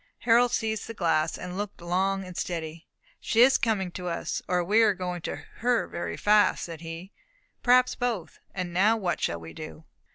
Harold seized the glass, and looked long and steadily. "She is coming to us, or we are going to her very fast," said he. "Perhaps both; and now what shall we do?"